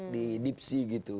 di dipsi gitu